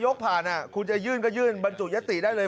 โชคพระกุธของนายคุณจะยื่นก็ยื่นบรรจุหญฑิตได้เลย